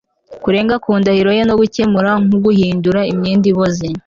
Kurenga ku ndahiro ye no gukemura nkuguhindura imyenda iboze